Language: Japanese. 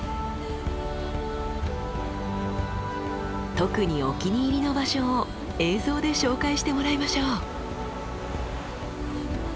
特にお気に入りの場所を映像で紹介してもらいましょう。